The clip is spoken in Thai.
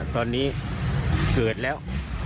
ตอนนี้เกิดแล้ว